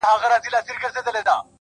هغه مړ له مــسته واره دى لوېـدلى ـ